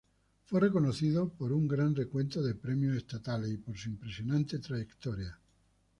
Fue reconocido por un gran recuento de premios estatales y por su impresionante trayectoria.